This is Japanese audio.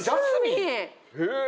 へえ。